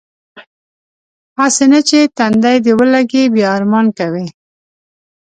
هسې نه چې تندی دې ولږي بیا ارمان کوې.